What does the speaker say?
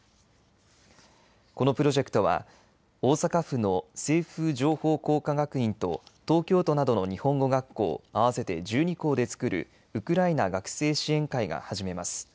このプロジェクトは大阪府の清風情報工科学院と東京都などの日本語学校合わせて１２校で作るウクライナ学生支援会が始めます。